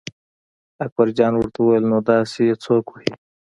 اکبرجان ورته وویل نو داسې یې څوک وهي.